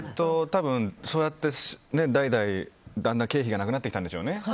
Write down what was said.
多分、そうやって代々経費がなくなってきたんでしょうね